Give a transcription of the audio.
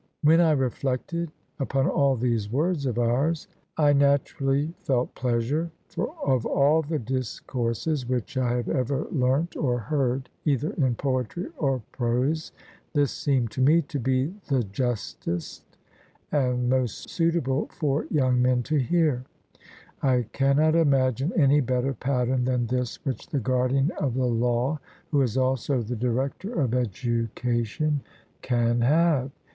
When I reflected upon all these words of ours, I naturally felt pleasure, for of all the discourses which I have ever learnt or heard, either in poetry or prose, this seemed to me to be the justest, and most suitable for young men to hear; I cannot imagine any better pattern than this which the guardian of the law who is also the director of education can have.